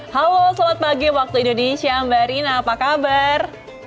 halo selamat pagi waktu indonesia mbak rina apa kabar